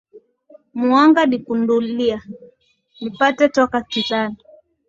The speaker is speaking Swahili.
Muwanga nikundulia, nipate toka kizani